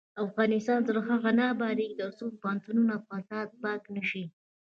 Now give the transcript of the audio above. افغانستان تر هغو نه ابادیږي، ترڅو پوهنتونونه له فساده پاک نشي.